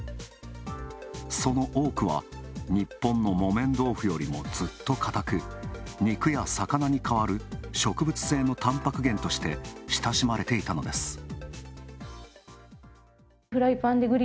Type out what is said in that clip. その多くは日本の木綿豆腐よりもずっと硬く、肉や魚に代わる植物性のたんぱく源として親しまれていたのです。